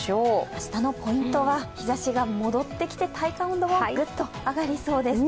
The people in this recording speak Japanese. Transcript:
明日のポイントは日ざしが戻ってきて、体感温度がグッと上がりそうです。